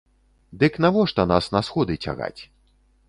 Дык навошта нас на сходы цягаць?